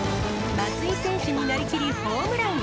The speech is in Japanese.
松井選手になりきりホームラン。